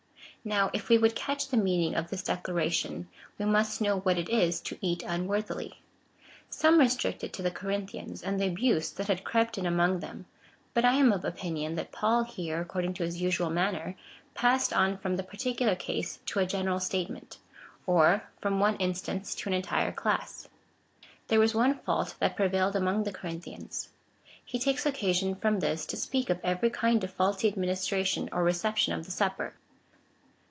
Now, if we would catch the meaning of this de claration, we must know what it is to eat unworthily. Some restrict it to the Corinthians, and the abuse that had crept in among them, but I am of opinion tliat Paul here, accord ing to his usual manner, passed on from the particular case to a general statement, or from one instance to an entire class. There was one fault that prevailed among the Cor inthians. He takes occasion from this to speak of every kind of faulty administration or reception of the Supper.